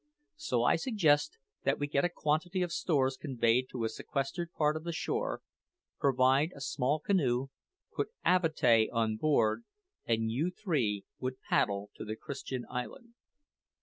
So I suggest that we get a quantity of stores conveyed to a sequestered part of the shore, provide a small canoe, put Avatea on board, and you three would paddle to the Christian island."